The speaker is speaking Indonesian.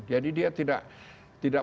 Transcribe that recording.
jadi dia tidak tidak